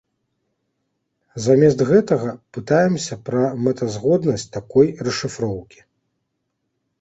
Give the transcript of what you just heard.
Замест гэтага пытаемся пра мэтазгоднасць такой расшыфроўкі.